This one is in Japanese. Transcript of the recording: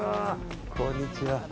こんにちは。